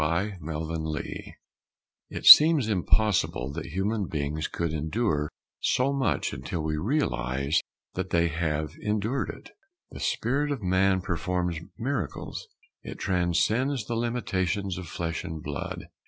_ KNOW THYSELF It seems impossible that human beings could endure so much until we realize that they have endured it. The spirit of man performs miracles; it transcends the limitations of flesh and blood.